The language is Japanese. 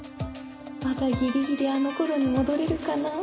まだギリギリあの頃に戻れるかな。